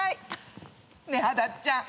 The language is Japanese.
ねえアダッちゃん